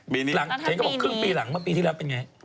หลังเห็นก็บอกครึ่งปีหลังเมื่อปีที่แล้วเป็นไง